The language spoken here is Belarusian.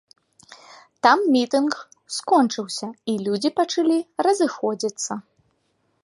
Там мітынг скончыўся, і людзі пачалі разыходзіцца.